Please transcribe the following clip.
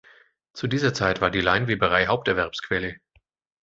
Zu dieser Zeit war die Leinweberei Haupterwerbsquelle.